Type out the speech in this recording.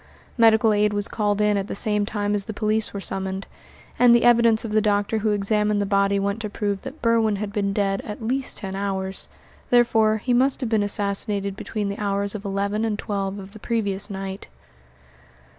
Medical aid was called in at the same time as the police were summoned; and the evidence of the doctor who examined the body went to prove that Berwin had been dead at least ten hours; therefore, he must have been assassinated between the hours of eleven and twelve of the previous night.